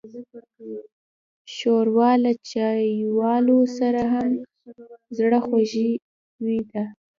ښوروا له چايوالو سره هم زړهخوږې ده.